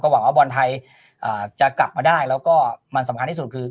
หวังว่าบอลไทยจะกลับมาได้แล้วก็มันสำคัญที่สุดคือ